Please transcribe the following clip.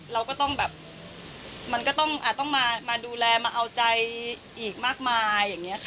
เราก็ต้องมาดูแลมาเอาใจอีกมากมาย